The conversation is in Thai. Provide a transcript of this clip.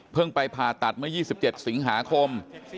ไปผ่าตัดเมื่อ๒๗สิงหาคม